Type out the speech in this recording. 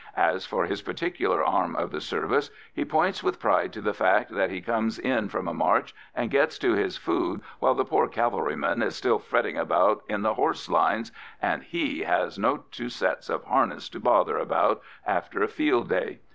As for his particular arm of the service, he points with pride to the fact that he comes in from a march and gets to his food while the poor cavalryman is still fretting about in the horse lines, and he has no two sets of harness to bother about after a field day.